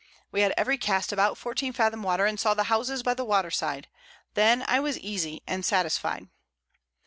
We had every Cast about 14 Fathom Water, and saw the Houses by the Water side; then I was easy and satisfied.